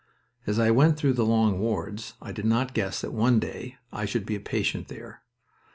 As I went through the long wards I did not guess that one day I should be a patient there.